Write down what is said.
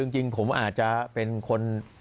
จริงผมอาจจะเป็นคน